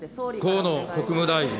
河野国務大臣。